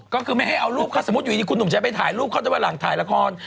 ก็คือไม่ให้เอารูปถ้าสมมุติอยู่ดีคุณหนุ่มจะไปถ่ายรูปเขาแต่ว่าหลังถ่ายละคร